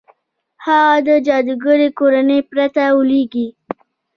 هغه د جادوګرې کورنۍ پرته لوېږي.